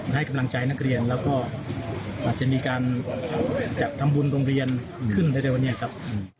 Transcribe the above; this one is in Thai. ให้กำลังใจนักเรียนแล้วก็อาจจะมีการจัดทำบุญโรงเรียนขึ้นเร็ววันนี้ครับ